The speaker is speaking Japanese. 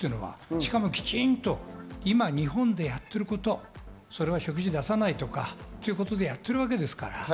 しかも今、日本でやってること、食事を出さないとかということでやっているわけですから。